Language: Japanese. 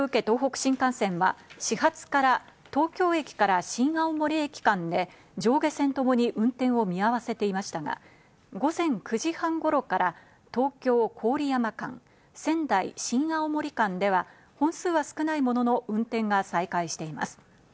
東北新幹線は始発から東京駅から新青森駅間で上下線ともに運転を見合わせていましたが、午前９時半頃から東京ー郡山間、仙台ー新青森間では本数は少ないものの、運転が再開しています。